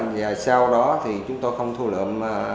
và sau đó thì chúng tôi không thu lượm